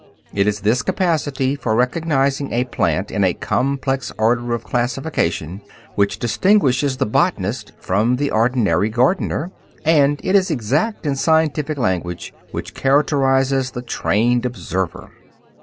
It is this capacity for recognizing a plant in a complex order of classification which distinguishes the botanist from the ordinary gardener, and it is exact and scientific language which characterizes the trained observer.